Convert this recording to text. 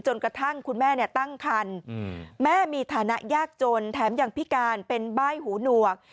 คุณแม่ตั้งคันแม่มีฐานะยากจนแถมยังพิการเป็นใบ้หูหนวก